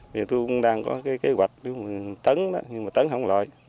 bây giờ tôi cũng đang có cái kế hoạch tấn đó nhưng mà tấn không loại